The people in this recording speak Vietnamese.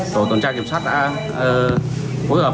tổ tổn trang kiểm soát đã phối hợp